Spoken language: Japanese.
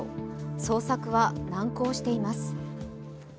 捜索は難航しています。